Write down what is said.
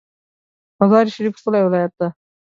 مزار شریف ښکلی ولایت ده